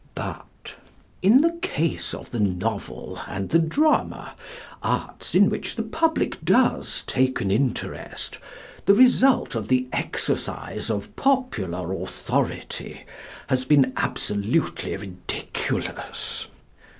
But, "In the case of the novel and the drama, arts in which the public does take an interest, the result of the exercise of popular authority has been absolutely ridiculous.